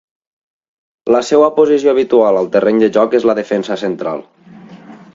La seva posició habitual al terreny de joc és la de defensa central.